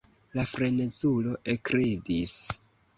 La frenezulo ekridis.